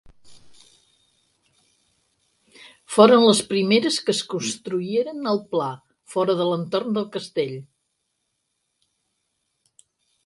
Foren les primeres que es construïren al pla, fora de l'entorn del castell.